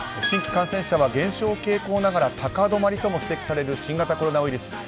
新規感染者は減少傾向ながら高止まりとも指摘される新型コロナウイルス。